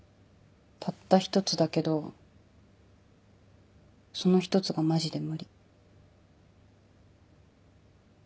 たった１つだけどその１つがマジで無理。